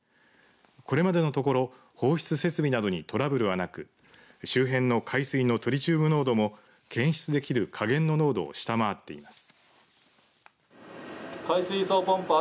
これまでのところ放出設備などにトラブルはなく周辺の海水のトリチウム濃度も検出できる下限の濃度を下回っています。